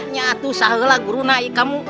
nyatu sahalah guru naik kamu